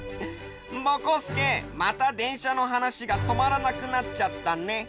ぼこすけまたでんしゃのはなしがとまらなくなっちゃったね。